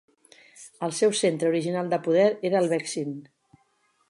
El seu centre original de poder era el Vexin.